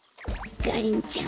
ガリンちゃん